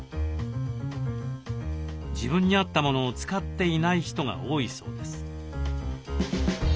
自分に合ったものを使っていない人が多いそうです。